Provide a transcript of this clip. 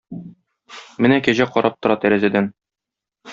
Менә Кәҗә карап тора тәрәзәдән.